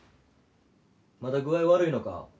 まだ具合悪いのか？